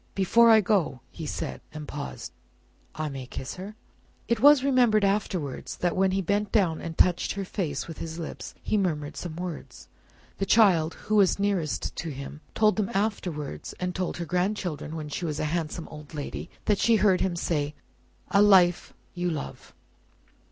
"Before I go," he said, and paused "I may kiss her?" It was remembered afterwards that when he bent down and touched her face with his lips, he murmured some words. The child, who was nearest to him, told them afterwards, and told her grandchildren when she was a handsome old lady, that she heard him say, "A life you love."